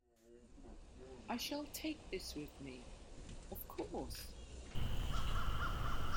I shall take this with me, of course.